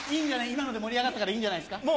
今ので盛り上がったからいいんじゃないですか？